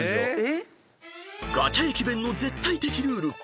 ［ガチャ駅弁の絶対的ルール］